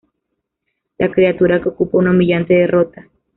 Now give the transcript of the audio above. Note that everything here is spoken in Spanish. La criatura que ocupa una humillante derrota.